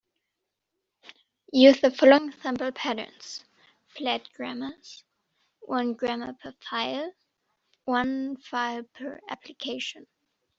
Use the following simple patterns: flat grammars, one grammar per file, one file per application.